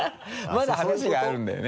まだ話があるんだよね？